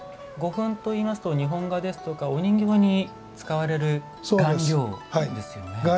胡粉といいますと日本画ですとかお人形に使われる顔料ですよね。